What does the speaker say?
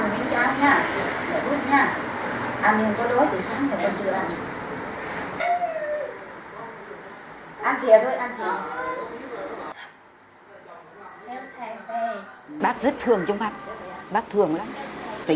bác rất thương trong mặt bác thương lắm